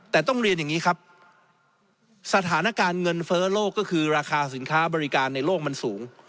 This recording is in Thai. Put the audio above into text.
แต่ต้องเรียนอย่างนี้ครับสถานการณ์เงินเฟ้อโลกก็คือราคาสินค้าบริการในโลกมันสูง